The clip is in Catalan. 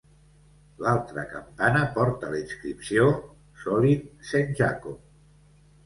L'altra campana porta la inscripció: Solin - Saint Jacob.